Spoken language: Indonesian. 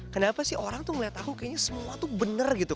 kenapa sih orang tuh ngeliat aku kayaknya semua tuh bener gitu